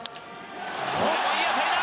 これはいい当たりだ！